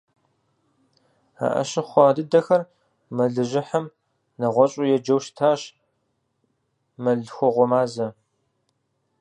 А Ӏэщыхъуэ дыдэхэр мэлыжьыхьым нэгъуэщӀу еджэу щытащ - мэллъхуэгъуэ мазэ.